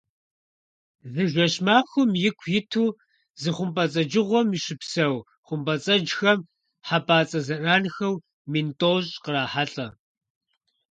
Зы жэщ-махуэм ику иту зы хъумпӀэцӀэджыгъуэм щыпсэу хъумпӀэцӀэджхэм хьэпӀацӀэ зэранхэу мин тӀощӀ кърахьэлӀэ.